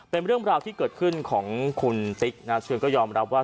เป็นเรื่องราวที่เกิดขึ้นของคุณติ๊กนะเชือนก็ยอมรับว่า